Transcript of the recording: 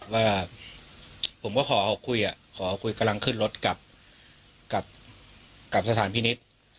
ว่าผมก็ขอออกคุยขอคุยกำลังขึ้นรถกลับสถานพินิษฐ์